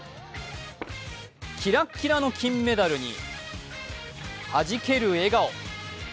キラッキラの金メダルにはじける笑顔。